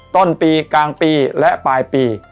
ต้นปีกลางปีและปลายปี